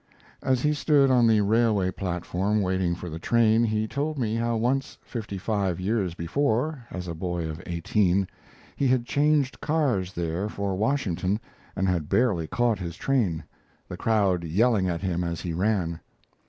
As he stood on the railway platform waiting for the train, he told me how once, fifty five years before, as a boy of eighteen, he had changed cars there for Washington and had barely caught his train the crowd yelling at him as he ran.